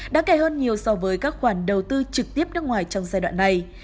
đáng kể hơn nhiều so với các khoản đầu tư trực tiếp nước ngoài trong giai đoạn này